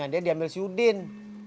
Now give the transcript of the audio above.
gafik kok beragam